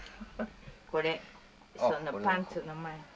これそのパンツの前に。